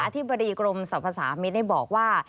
อธิบดีกรมศาสตร์ภาษามิตรบอกว่า